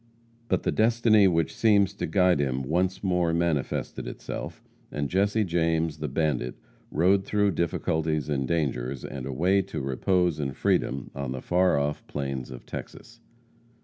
But the destiny which seems to guide him once more manifested itself, and Jesse James, the bandit, rode through difficulties and dangers, and away to repose and freedom on the far off plains of Texas.